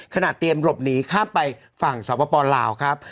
เตรียมหลบหนีข้ามไปฝั่งสปลาวครับ